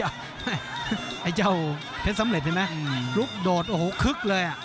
โอ้เพชรสำเร็จเห็นมั้ยลุกโดดโอ้โหคึกเลยอ่ะ